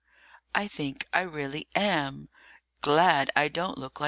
I think I really am Glad I don't look like them!